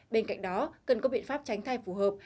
bên cạnh đó cần có biện pháp tránh thai phù hợp